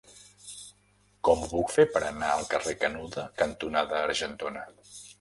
Com ho puc fer per anar al carrer Canuda cantonada Argentona?